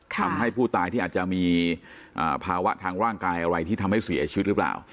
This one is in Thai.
ทำให้ผู้ตายที่อาจจะมีภาวะทางร่างกายอะไรที่ทำให้เสียชีวิตหรือเปล่า